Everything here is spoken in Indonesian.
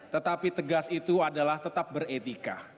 tetapi tegas itu adalah tetap beretika